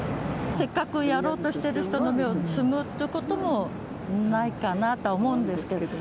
せっかくやろうとしている人の芽を摘むっていうこともないかなとは思うんですけれども。